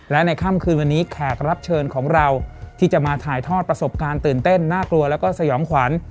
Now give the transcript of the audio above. และในค่ำคืนวันนี้แขกรับเชิญของเราที่จะมาถ่ายทอดประสบการณ์ตื่นเต้นน่ากลัวแล้วก็สยองขวัญ